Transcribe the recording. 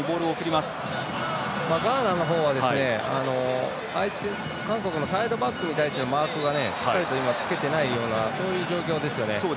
ガーナの方は韓国のサイドバックに対してのマークがしっかりと今つけていないようなそういう状況ですよね。